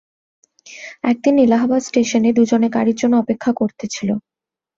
একদিন এলাহাবাদ স্টেশনে দুইজনে গাড়ির জন্য অপেক্ষা করিতেছিল।